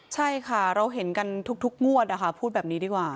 ใช่ค่ะเราเห็นกันทุกงวดนะคะพูดแบบนี้ดีกว่า